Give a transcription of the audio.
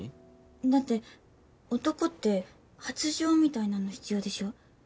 だって男って発情みたいなの必要でしょ？